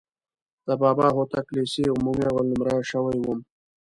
د بابا هوتک لیسې عمومي اول نومره شوی وم.